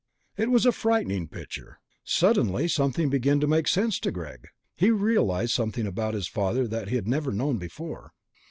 It was a frightening picture. Suddenly something began to make sense to Greg; he realized something about his father that he had never known before.